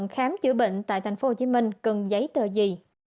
khám chữa bệnh tại tp hcm cần giấy tờ gì